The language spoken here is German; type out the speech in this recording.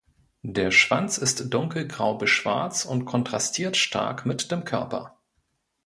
Der Schwanz ist dunkelgrau bis schwarz und kontrastiert stark mit dem Körper.